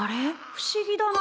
不思議だな。